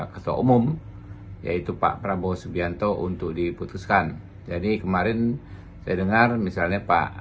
ketua umum yaitu pak prabowo subianto untuk diputuskan jadi kemarin saya dengar misalnya pak